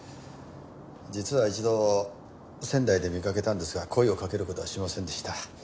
実は一度仙台で見かけたんですが声をかける事はしませんでした。